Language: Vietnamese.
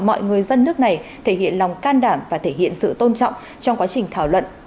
mọi người dân nước này thể hiện lòng can đảm và thể hiện sự tôn trọng trong quá trình thảo luận